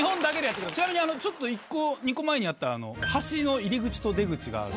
ちなみに１個２個前にあった橋の入口と出口がある。